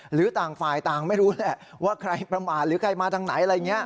หรือต่างฝ่ายต่างไม่รู้แหละว่าใครประมาทหรือใครมาทางไหนอะไรอย่างนี้